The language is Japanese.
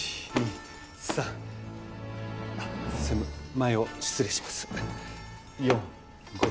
専務前を失礼します。